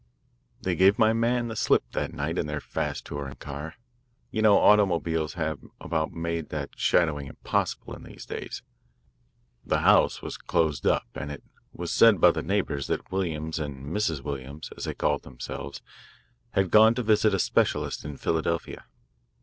"They gave my man the slip that night in their fast touring car. You know automobiles have about made shadowing impossible in these days. The house was closed up, and it was said by the neighbours that Williams and Mrs. Williams as they called themselves had gone to visit a specialist in Philadelphia.